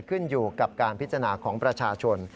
ขึ้นอยู่กับการพิจารณาของประชาชน